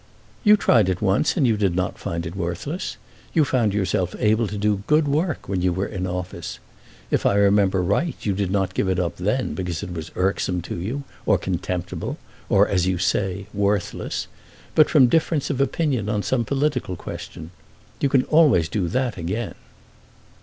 "You tried it once, and did not find it worthless. You found yourself able to do good work when you were in office. If I remember right, you did not give it up then because it was irksome to you, or contemptible, or, as you say, worthless; but from difference of opinion on some political question. You can always do that again."